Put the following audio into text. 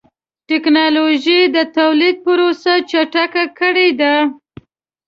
ټکنالوجي د تولید پروسه چټکه کړې ده.